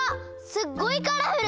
すっごいカラフル！